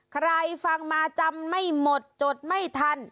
ใครฟังมาจำไม่หมดจดไม่ทัน